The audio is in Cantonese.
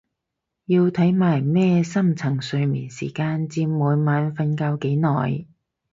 要睇埋咩深層睡眠時間佔每晚瞓覺幾耐？